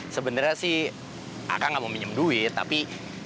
sebenernya sih akang gak mau minjem duit tapi